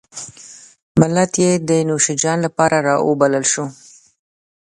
ملت یې د نوشیجان لپاره راوبلل شو.